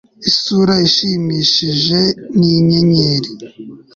Isura ishimishijeisa ninyenyeri